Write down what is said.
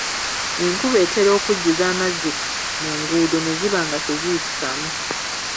Enkuba etera okujjuza amazzi mu nguudo ne ziba nga teziyitikamu.